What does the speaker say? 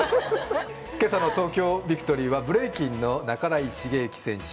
今朝の「東京ＶＩＣＴＯＲＹ」はブレイキンの半井重幸選手